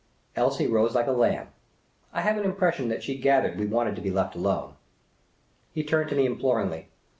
Elsie rose like a lamb. I have an impression that she gathered we wanted to be left alone. He turned to me imploringly.